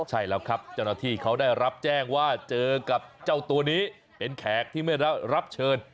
ใช่แล้วครับเจ้าหน้าที่เขาได้รับแจ้งว่าเจอกับเจ้าตัวนี้เป็นแขกที่ไม่ได้รับเชิญ